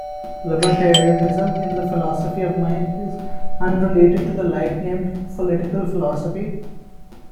Libertarianism in the philosophy of mind is unrelated to the like-named political philosophy.